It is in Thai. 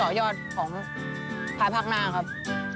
เป็นต่อยอดของภาพภาคหน้าครับ